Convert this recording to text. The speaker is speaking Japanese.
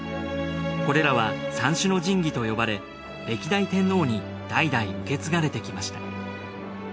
これらは三種の神器と呼ばれ歴代天皇に代々受け継がれてきました。